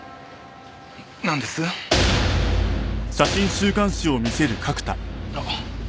なんです？あっ。